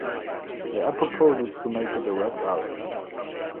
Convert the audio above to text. There are proposals to make it a red route.